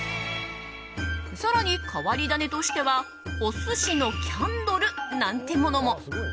更に変わり種としてはお寿司のキャンドルなんてものも。